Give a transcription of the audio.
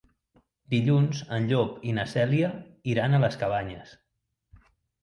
Dilluns en Llop i na Cèlia iran a les Cabanyes.